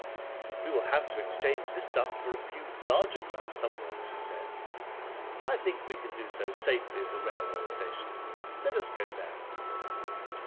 "We will have to exchange this stuff for a few larger coins somewhere," she said. "I think we can do so safely at the railroad station. Let us go there."